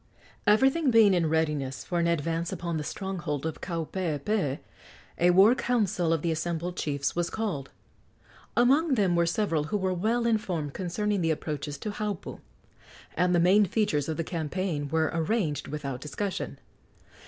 Everything being in readiness for an advance upon the stronghold of Kaupeepee, a war council of the assembled chiefs was called. Among them were several who were well informed concerning the approaches to Haupu, and the main features of the campaign were arranged without discussion.